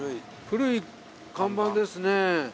古い看板ですね。